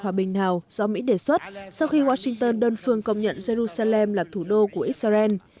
hòa bình nào do mỹ đề xuất sau khi washington đơn phương công nhận jerusalem là thủ đô của israel